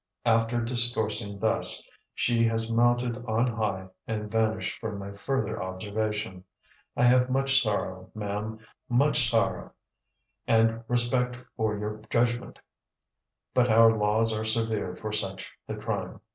After discoursing thus, she has mounted on high and vanished from my further observation. I have much sorrow, mam, much sorrow, and respect for your judgment; but our laws are severe for such the crime.